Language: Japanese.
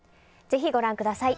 ぜひご覧ください。